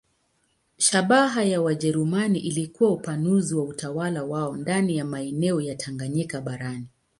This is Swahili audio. Shabaha ya Wajerumani ilikuwa upanuzi wa utawala wao ndani ya maeneo ya Tanganyika barani.